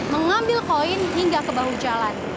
mengambil koin hingga ke bahu jalan